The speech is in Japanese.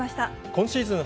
今シーズン